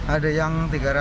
ada yang tiga ratus